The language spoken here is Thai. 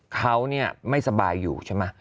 เขาเนี่ยไม่สบายอยู่ใช่หมะ